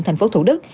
thành phố thủ đức